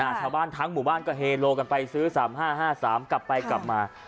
อ่าชาวบ้านทั้งหมู่บ้านก็เฮโรกันไปซื้อ๓๕๕๓กลับไปกลับมา